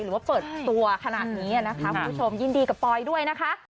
ว่าเปิดตัวขนาดนี้นะคะคุณผู้ชมยินดีกับปอยด้วยนะคะ